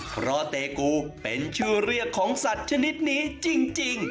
เพราะเตกูเป็นชื่อเรียกของสัตว์ชนิดนี้จริง